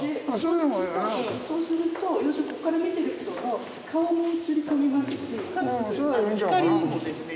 そうすると要するにここから見てる人の顔も映り込みますし光もですね